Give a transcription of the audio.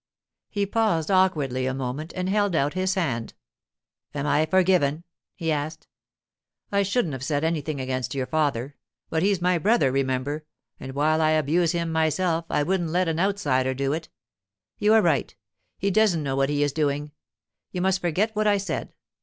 He paused awkwardly a moment and held out his hand. 'Am I forgiven?' he asked. 'I shouldn't have said anything against your father; but he's my brother, remember, and while I abuse him myself I wouldn't let an outsider do it. You are right; he doesn't know what he is doing. You must forget what I said.